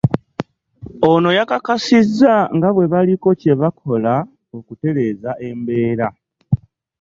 Ono yakakasizza nga bwe baliko kyebakola okutereeza embeera